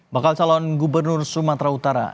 bakal calon gubernur sumatera utara